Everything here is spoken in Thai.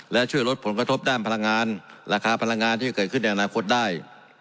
และช่วยลดผลกระทบด้านพลังงานราคาพลังงานที่จะเกิดขึ้นในอนาคตได้